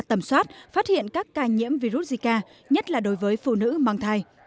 tầm soát phát hiện các ca nhiễm virus zika nhất là đối với phụ nữ mang thai